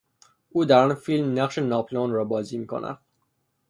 او در آن فیلم نقش ناپلئون را بازی میکند.